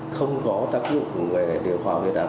không có tác dụng điều hòa huyết áp